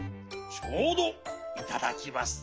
ちょうどいただきます。